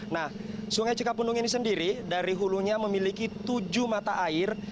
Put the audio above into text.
nah sungai cikapundung ini sendiri dari hulunya memiliki tujuh mata air